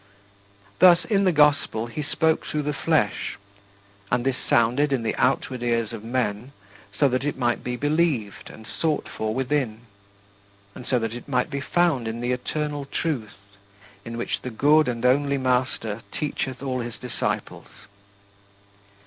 Thus, in the gospel, he spoke through the flesh; and this sounded in the outward ears of men so that it might be believed and sought for within, and so that it might be found in the eternal Truth, in which the good and only Master teacheth all his disciples.